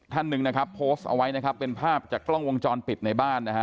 ท่านหนึ่งนะครับโพสต์เอาไว้นะครับเป็นภาพจากกล้องวงจรปิดในบ้านนะฮะ